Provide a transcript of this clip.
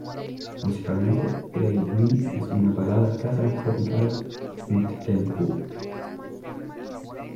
Musicalmente, "It Ain't Me" es una balada casa tropical midtempo.